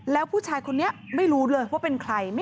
แล้วผู้ชายคนนี้ไม่รู้เลยว่าเป็นใคร